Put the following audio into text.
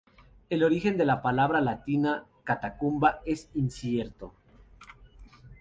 El origen de la palabra latina "catacumba" es incierto.